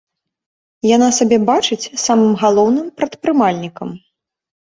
Яна сябе бачыць самым галоўным прадпрымальнікам.